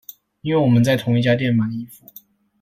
因為我們在同一家店買衣服